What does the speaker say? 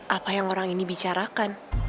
apa yang orang ini bicarakan